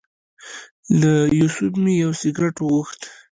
له یوسف مې یو سګرټ وغوښت.